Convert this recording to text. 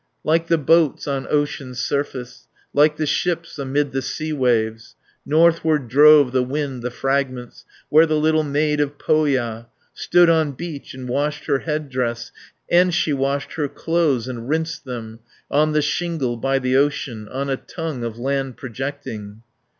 Like the boats on ocean's surface, Like the ships amid the sea waves. Northward drove the wind the fragments, Where the little maid of Pohja, Stood on beach, and washed her head dress, And she washed her clothes and rinsed them, On the shingle by the ocean, On a tongue of land projecting.